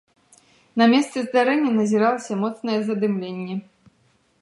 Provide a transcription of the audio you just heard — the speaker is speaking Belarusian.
На месцы здарэння назіралася моцнае задымленне.